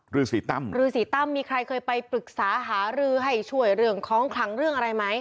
ฤษีตั้มรือสีตั้มมีใครเคยไปปรึกษาหารือให้ช่วยเรื่องของคลังเรื่องอะไรไหม